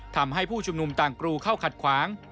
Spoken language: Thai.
ทำให้ผู้ชุมนุมต่างกรูเข้าขัดขวาง